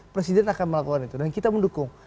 presiden akan melakukan itu dan kita mendukung